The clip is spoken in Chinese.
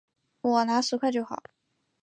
我拿十块就好